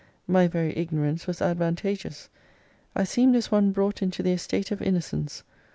My very ignorance was advantageous. I seemed as one brought into the Estate of Innocence.